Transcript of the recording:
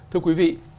thưa quý vị